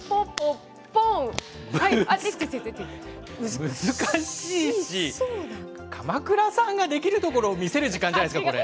できてる、難しいし、鎌倉さんができるところを見せる時間じゃないですか、これ。